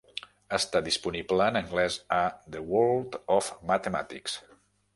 Està disponible en anglès a 'The World of Mathematics'.